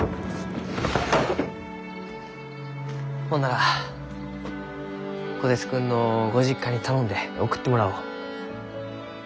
ほんなら虎鉄君のご実家に頼んで送ってもらおう。